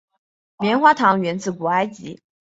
棉花糖源自古埃及。